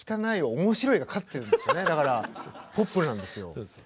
だからポップなんですよ。